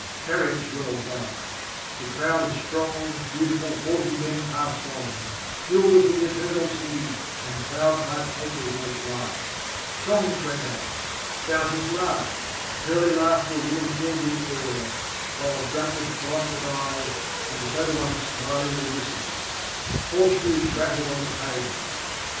Chariots whirled by; the crowd of strong, beautiful, haughty men passed on, builders of the Eternal City and proud partakers of its life; songs rang out; fountains laughed; pearly laughter of women filled the air, while the drunkard philosophised and the sober ones smilingly listened; horseshoes rattled on the pavement.